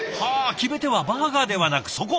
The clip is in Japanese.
決め手はバーガーではなくそこ。